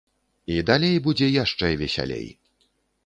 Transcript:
І далей будзе яшчэ весялей.